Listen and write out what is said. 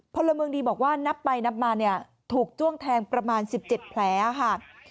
พลเมืองดีบอกว่านับไปนับมาเนี่ยถูกจ้วงแทงประมาณ๑๗แผลค่ะ